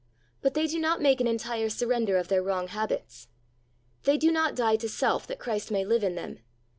But they do not make an enth e surrender of their wrong habits. They do not die to self that Christ may live in them.